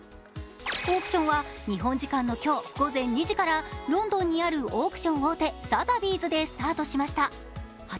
オークションは日本時間の今日、午前２時からロンドンにあるオークション大手サザビーズでスタートしました。